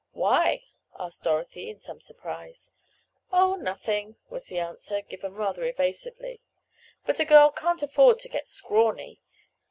"Why?" asked Dorothy in some surprise. "Oh, nothing," was the answer, given rather evasively. "But a girl can't afford to get scrawny.